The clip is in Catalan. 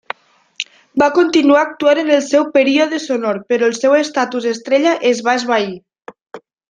Va continuar actuant en el període sonor, però el seu estatus estrella es va esvair.